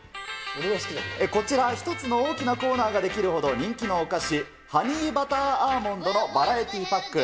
こちら、一つの大きなコーナーが出来るほど人気のお菓子、ハニーバターアーモンドのバラエティパック。